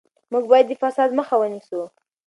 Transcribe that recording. موږ باید د فساد مخه ونیسو.